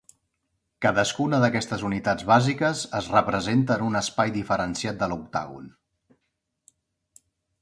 Cadascuna d'aquestes unitats bàsiques es representa en un espai diferenciat de l'octàgon.